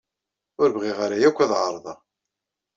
Ur bɣiɣ ara yakk ad ɛerḍeɣ.